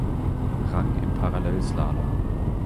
Rang im Parallelslalom.